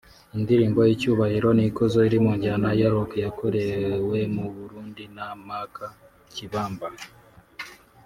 Indirimbo ‘Icyubahiro n’Ikuzo’ iri mu njyana ya Rock yakorewe mu Burundi na Marc Kibamba